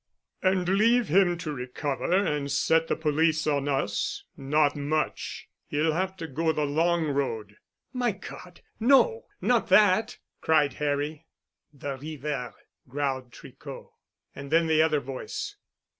"And leave him to recover and set the police on us? Not much. He'll have to go the long road." "My God! No. Not that!" cried Harry. "The river!" growled Tricot. And then the other voice.